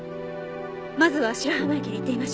まずは白浜駅に行ってみましょう。